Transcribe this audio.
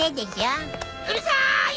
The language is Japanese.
うるさーい！